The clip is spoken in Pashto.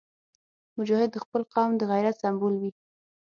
مجاهد د خپل قوم د غیرت سمبول وي.